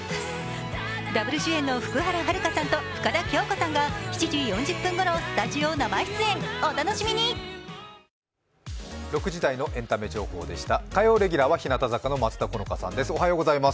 ダブル主演の福原遥さんと深田恭子さんが７時４０分ごろ火曜レギュラーは日向坂、松田好花さんです。